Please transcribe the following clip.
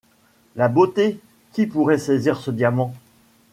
La beauté ? Qui pourrait saisir ce diamant